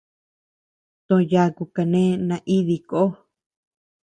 To yaku kane naidii koo.